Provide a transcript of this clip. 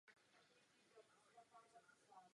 Dlouhodobě působil ve vysokých funkcích ve státní správě.